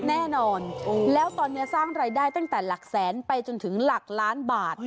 แน่นอนแล้วตอนนี้สร้างรายได้ตั้งแต่หลักแสนไปจนถึงหลักล้านบาท